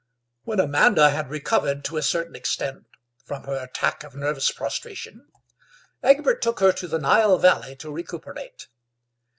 When Amanda had recovered to a certain extent from her attack of nervous prostration Egbert took her to the Nile Valley to recuperate.